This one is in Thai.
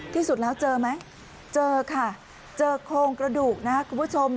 ที่สุดแล้วเจอไหมเจอค่ะเจอโครงกระดูกนะครับคุณผู้ชม